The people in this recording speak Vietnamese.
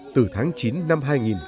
từ tháng chín năm hai nghìn một mươi bốn